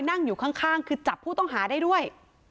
นั่งอยู่ข้างคือจับผู้ต้องหาได้ด้วย